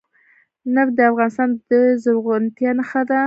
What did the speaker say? نفت د افغانستان د زرغونتیا نښه ده.